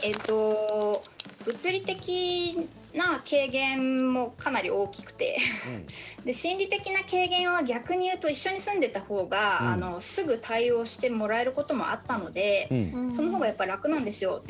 物理的な軽減もかなり大きくて心理的な軽減は逆に言うと一緒に住んでいたほうがすぐ対応してもらえることもあったのでそのほうが楽なんですよ。